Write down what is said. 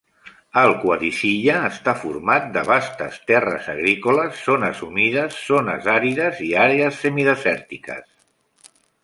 Al-Qadisiyah està format de vastes terres agrícoles, zones humides, zones àrides i àrees semidesèrtiques.